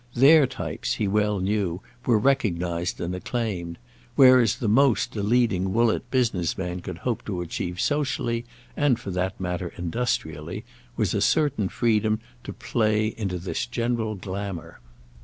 Their types, he well knew, were recognised and acclaimed; whereas the most a leading Woollett business man could hope to achieve socially, and for that matter industrially, was a certain freedom to play into this general glamour.